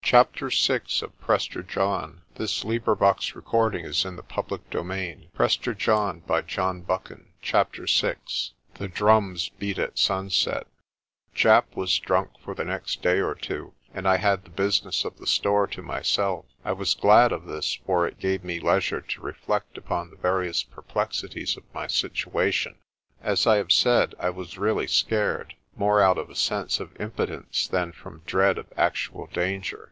less of my nerve. It was a real comfort to me to put out a hand in the darkness and feel Colin's shaggy coat CHAPTER VI THE DRUMS BEAT AT SUNSET JAPP was drunk for the next day or two, and I had the business of the store to myself. I was glad of this, for it gave me leisure to reflect upon the various perplexities of my situation. As I have said, I was really scared, more out of a sense of impotence than from dread of actual danger.